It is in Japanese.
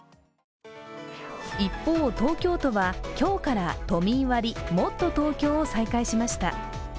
一方、東京都は今日から都民割もっとＴｏｋｙｏを再開しました。